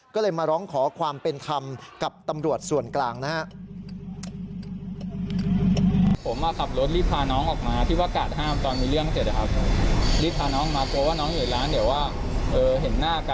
ก็เลยมาร้องขอความเป็นธรรมกับตำรวจส่วนกลางนะฮะ